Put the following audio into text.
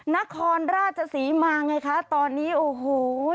นครราชศรีมาไงคะตอนนี้โอ้โห